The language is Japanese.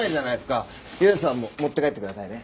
よよさんも持って帰ってくださいね。